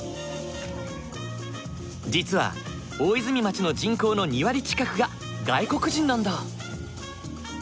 実は大泉町の人口の２割近くが外国人なんだ。